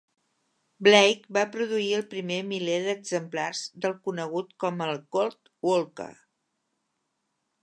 Blake va produir el primer miler d'exemplars del conegut com el Colt Walker.